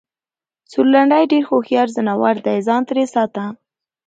سورلنډی ډېر هوښیار ځناور دی٬ ځان ترې ساته!